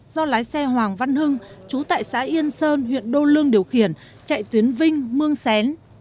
do lái xe hoàng văn hưng chú tại xã yên sơn huyện đô lương điều khiển chạy tuyến vinh mương xén